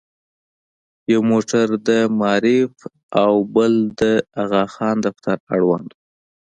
یو موټر د معارف او بل د اغاخان دفتر اړوند و.